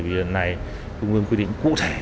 vì lần này trung gương quy định cụ thể